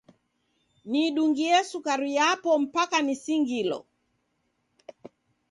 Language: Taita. Nidungie sukari yapo mpaka nisingilo!